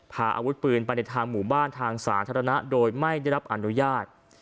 ผ่าอาวุธปืนผ่าเน็ตทางหมู่บ้านธ์ธรรณะโดยไม่ได้รับอนุญาต